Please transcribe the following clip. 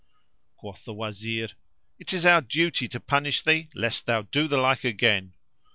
Quoth the Wazir, "It is our duty to punish thee lest thou do the like again."